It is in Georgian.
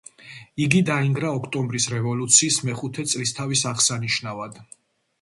იგი დაინგრა ოქტომბრის რევოლუციის მეხუთე წლისთავის აღსანიშნავად.